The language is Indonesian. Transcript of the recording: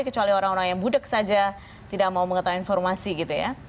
kecuali orang orang yang budeg saja tidak mau mengetahui informasi gitu ya